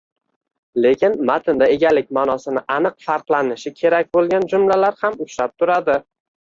Lekin matnda egalik maʼnosi aniq farqlanishi kerak boʻlgan jumlalar ham uchrab turadi